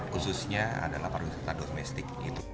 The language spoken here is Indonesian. khususnya adalah pariwisata domestik